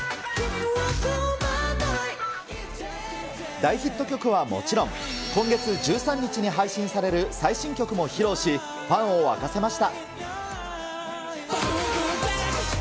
大ヒット曲はもちろん、今月１３日に配信される最新曲も披露し、ファンを沸かせました。